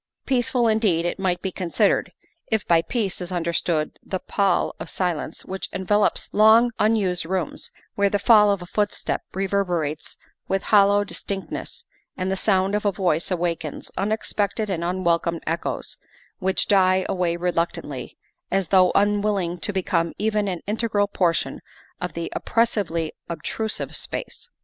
Peaceful indeed it might be considered, if by peace is understood the pall of silence which envelops long unused rooms, where the fall of a footstep rever berates with hollow distinctness and the sound of a voice awakens unexpected and unwelcome echoes, which die away reluctantly, as though unwilling to become even an integral portion of the oppressively obtrusive space.